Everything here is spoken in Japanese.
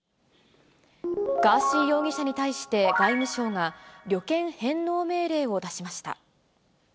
ガーシー容疑者に対して、外務省が、旅券返納命令を出しました。